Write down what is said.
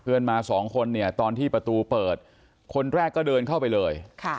มาสองคนเนี่ยตอนที่ประตูเปิดคนแรกก็เดินเข้าไปเลย